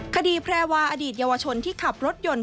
แพรวาอดีตเยาวชนที่ขับรถยนต์